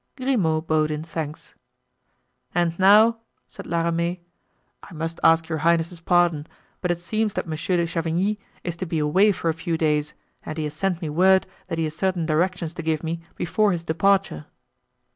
Grimaud bowed in thanks. "And now," said La Ramee, "I must ask your highness's pardon, but it seems that Monsieur de Chavigny is to be away for a few days and he has sent me word that he has certain directions to give me before his departure."